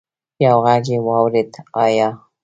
يو غږ يې واورېد: ابا!